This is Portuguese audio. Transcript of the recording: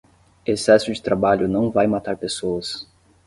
Excesso de trabalho não vai matar pessoas